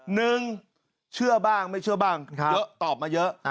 หนึ่งเชื่อบ้างไม่เชื่อบ้างเยอะตอบมาเยอะ